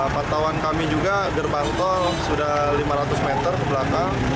pantauan kami juga gerbang tol sudah lima ratus meter ke belakang